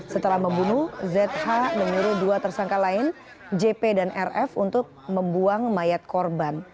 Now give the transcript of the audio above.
setelah membunuh zh menyuruh dua tersangka lain jp dan rf untuk membuang mayat korban